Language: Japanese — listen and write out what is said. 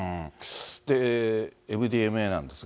ＭＤＭＡなんですが。